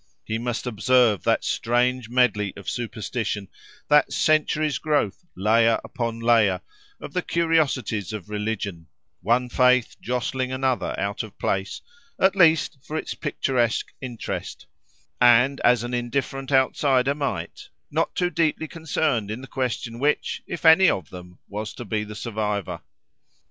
He must observe that strange medley of superstition, that centuries' growth, layer upon layer, of the curiosities of religion (one faith jostling another out of place) at least for its picturesque interest, and as an indifferent outsider might, not too deeply concerned in the question which, if any of them, was to be the survivor.